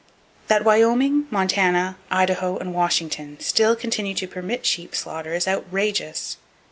That Wyoming, Montana, Idaho and Washington still continue to permit sheep slaughter is outrageous.